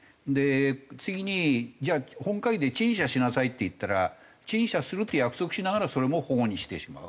次にじゃあ本会議で陳謝しなさいって言ったら陳謝するって約束しながらそれも反故にしてしまう。